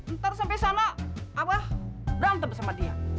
ntar sampai sana abah berantem sama dia